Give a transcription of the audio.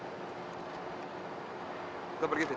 kita pergi fit